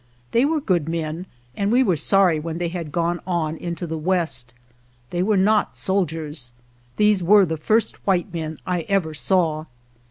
They were good men, and we were sorry when they had gone on into the west. They were not soldiers. These were the first white men I ever saw.